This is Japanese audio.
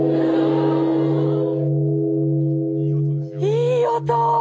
いい音！